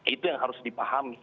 itu yang harus dipahami